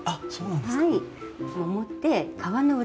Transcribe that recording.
はい。